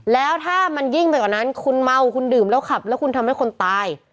แล้วถ้ามันยิ่งไปกว่านั้นคุณเมาคุณดื่มแล้วขับแล้วคุณทำให้คนตาย